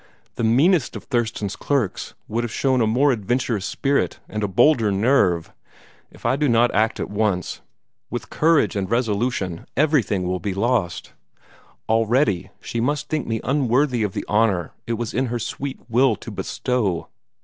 The meanest of Thurston's clerks would have shown a more adventurous spirit and a bolder nerve. If I do not act at once, with courage and resolution, everything will be lost. Already she must think me unworthy of the honor it was in her sweet will to bestow."